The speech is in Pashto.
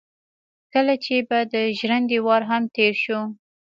کله چې به د ژرندې وار هم تېر شو.